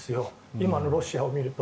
今のロシアを見ると。